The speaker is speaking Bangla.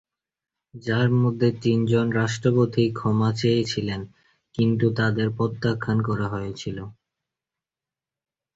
যার মধ্যে তিন জন রাষ্ট্রপতি ক্ষমা চেয়েছিলেন কিন্তু তাদের প্রত্যাখ্যান করা হয়েছিল।